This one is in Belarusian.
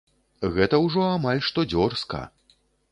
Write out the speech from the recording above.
Гэта ўжо амаль што дзёрзка.